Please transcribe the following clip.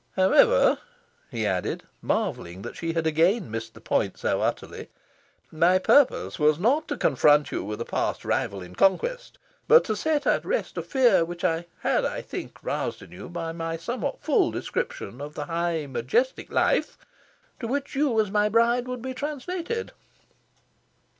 However," he added, marvelling that she had again missed the point so utterly, "my purpose was not to confront you with a past rival in conquest, but to set at rest a fear which I had, I think, roused in you by my somewhat full description of the high majestic life to which you, as my bride, would be translated."